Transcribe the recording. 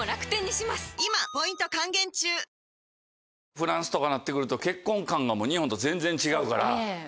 フランスとかになって来ると結婚観が日本と全然違うから。